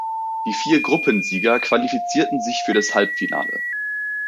Die vier Gruppensieger qualifizierten sich für das Halbfinale.